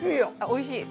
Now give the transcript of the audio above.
おいしい？